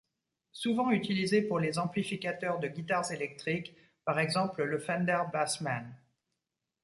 Souvent utilisé pour les amplificateurs de guitares électriques, par exemple le Fender bassman.